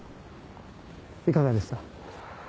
いかがでした？